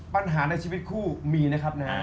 ปัญหาในชีวิตคู่มีนะครับน้า